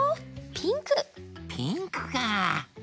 ピンクか。